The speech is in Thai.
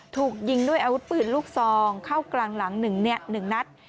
ถูกยิงด้วยอาวุธปืนลูกซองเข้ากลางหลัง๑นัด